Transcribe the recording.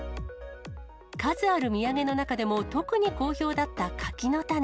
数ある土産の中でも、特に好評だった柿の種。